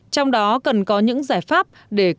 trong đó cần có những giải pháp để cơ hội lợn